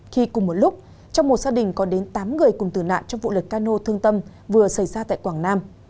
khi cùng một lúc trong một gia đình có đến tám người cùng tử nạn trong vụ lật cano thương tâm vừa xảy ra tại quảng nam